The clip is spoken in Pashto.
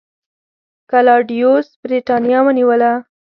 کلاډیوس برېټانیا ونیوله